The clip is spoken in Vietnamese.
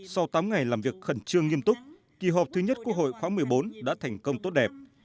sau tám ngày làm việc khẩn trương nghiêm túc kỳ họp thứ nhất quốc hội khóa một mươi bốn đã thành công tốt đẹp